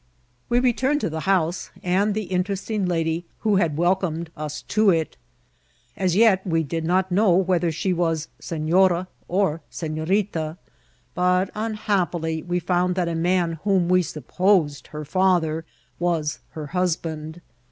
We returned to the house and the interesting lady who had welcomed us to it. As yet we did not know whether she was senara or seRorita ; but, unhappily, we found that a man whom we supposed her father was her husband.